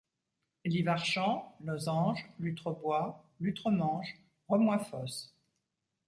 Livarchamps, Losange, Lutrebois, Lutremange, Remoifosse.